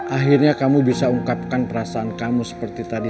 akhirnya kamu bisa ungkapkan perasaan kamu seperti tadi